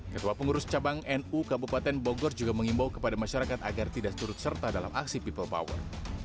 ketua pengurus cabang nu kabupaten bogor juga mengimbau kepada masyarakat agar tidak turut serta dalam aksi people power